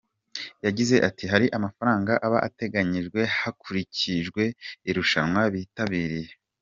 Yagize ati “Hari amafaranga aba ateganyijwe hakurikijwe irushanwa bitabiriye.